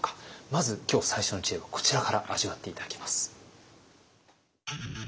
まず今日最初の知恵はこちらから味わって頂きます。